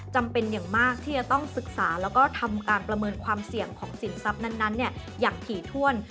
จำเป็นอย่างมากที่จะต้องศึกษาแล้วก็ทำการประเมินความเสี่ยงของสินทรัพย์นั้นอย่างถี่ถ้วน